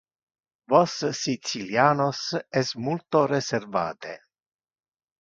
Vos sicilianos es multo reservate.